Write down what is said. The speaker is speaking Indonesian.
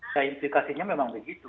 kainfikasinya memang begitu